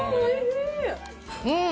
うん！